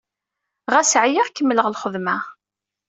Ɣas ɛyiɣ, kemmleɣ lxedma.